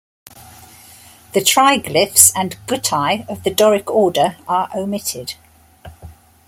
The triglyphs and guttae of the Doric order are omitted.